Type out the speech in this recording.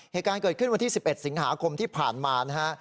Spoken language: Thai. เหตุการณ์เกิดขึ้นวันที่๑๑สิงหาคมที่ผ่านมานะฮะ